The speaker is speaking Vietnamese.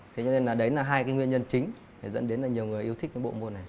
thế cho nên là đấy là hai cái nguyên nhân chính dẫn đến là nhiều người yêu thích cái bộ môn này